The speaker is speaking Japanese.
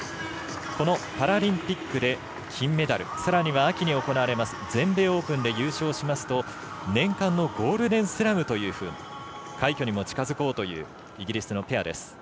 このパラリンピックで金メダルさらには秋に行われます全米オープンで優勝しますと年間のゴールデンスラムという快挙にも近づこうというイギリスのペアです。